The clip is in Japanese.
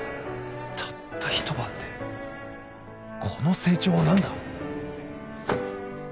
たったひと晩でこの成長は何だ？